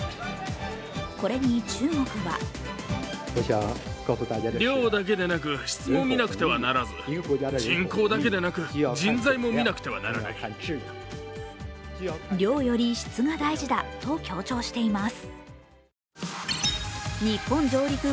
これに中国は量より質が大事だと強調しています。